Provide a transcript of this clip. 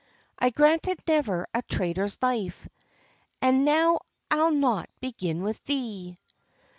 I granted never a traitor's life, And now I'll not begin with thee."